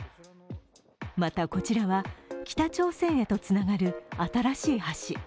またこちらは、北朝鮮へとつながる新しい橋。